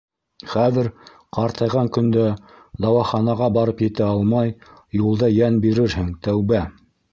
Хәҙер, ҡартайған көндә, дауаханаға барып етә алмай, юлда йән бирерһең, тәүбә!